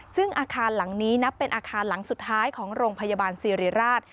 ซึ่งอาคารหลังนี้นับเป็นอาคารหลังสุดท้ายของโรงพยาบาลสิริราช